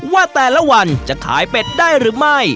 ว่าแต่ละวันจะขายเป็ดได้หรือไม่